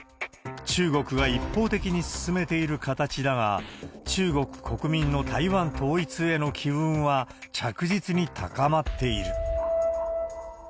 中国が一方的に進めている形だが、中国国民の台湾統一への機運は着実に高まっている。